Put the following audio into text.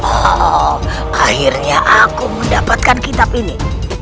oh akhirnya aku mendapatkan kitab ini